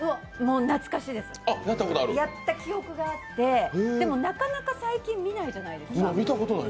懐かしいです、やった記憶があって、でも、なかなか最近見ないじゃないですか。